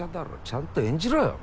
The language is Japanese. ちゃんと演じろよ。